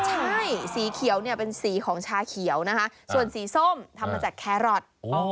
ใช่สีเขียวเนี่ยเป็นสีของชาเขียวนะคะส่วนสีส้มทำมาจากแครอท